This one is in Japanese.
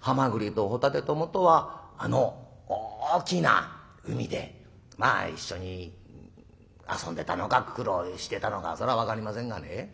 はまぐりとほたてと元はあの大きな海でまあ一緒に遊んでたのか苦労してたのかそれは分かりませんがね。